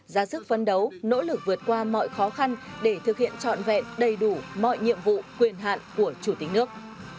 ra sức phấn đấu nỗ lực vượt qua mọi khó khăn để thực hiện trọn vẹn đầy đủ mọi nhiệm vụ quyền hạn của chủ tịch nước